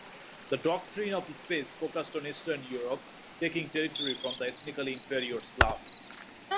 The doctrine of space focused on Eastern Europe, taking territory from the ethnically-inferior Slavs.